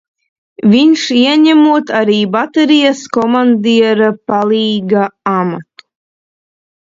Viņš ieņemot arī baterijas komandiera palīga amatu.